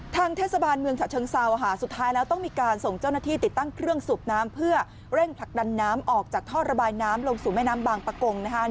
ทางเทศบาลเมืองฉะเชิงเซาสุดท้ายแล้วต้องมีการส่งเจ้าหน้าที่ติดตั้งเครื่องสูบน้ำเพื่อเร่งผลักดันน้ำออกจากท่อระบายน้ำลงสู่แม่น้ำบางประกงนะคะ